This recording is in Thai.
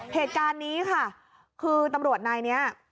เหตุการณ์นี้ค่ะคือตำรวจนายนี้